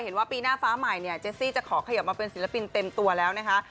เห็นว่าปีหน้าฟ้าใหม่เนี่ยเจสซี่จะขอขยับมาเป็นศิลปินเต็มตัวแล้วนะคะ